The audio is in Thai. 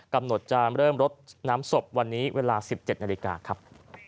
กำหนดจะเริ่มรดน้ำศพวันนี้เวลา๑๗นาฬิกาครับ